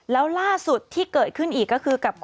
แล้วล่าสุดที่เกิดขึ้นอีก